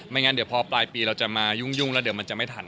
งั้นเดี๋ยวพอปลายปีเราจะมายุ่งแล้วเดี๋ยวมันจะไม่ทัน